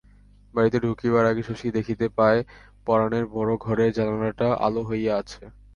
বাড়িতে ঢুকিবার আগে শশী দেখিতে পায় পরানের বড় ঘরের জানালাটা আলো হইয়া আছে।